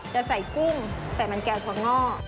จะใส่กุ้งใส่มันแก้วทวง่อ